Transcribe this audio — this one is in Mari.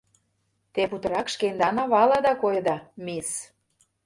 — Те путырак шкендан авалада койыда, мисс!